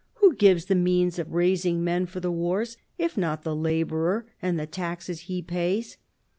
who gives the means of raising men for the wars, if not the labourer and the taxes he pays